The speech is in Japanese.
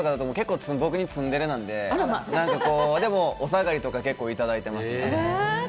僕にツンデレなので、何か、お下がりとか結構いただいたりして。